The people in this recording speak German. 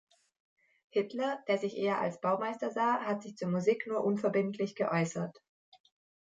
Hitler, der sich eher als Baumeister sah, hat sich zur Musik nur unverbindlich geäußert.